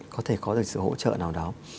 có thể có được sự hỗ trợ nào đó